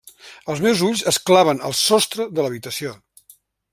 Els meus ulls es claven al sostre de l’habitació.